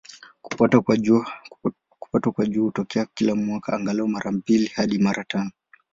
Kupatwa kwa Jua hutokea kila mwaka, angalau mara mbili hadi mara tano.